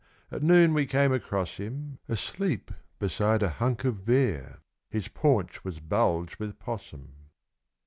At noon we came across him Asleep beside a hunk of bear His paunch was bulged with 'possum.